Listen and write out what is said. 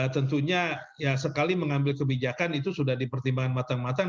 tentunya ya sekali mengambil kebijakan itu sudah dipertimbangkan matang matang